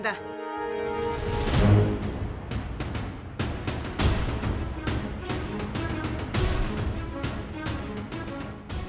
aqui ada tuh